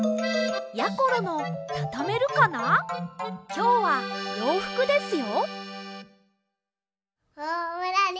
きょうはようふくですよ。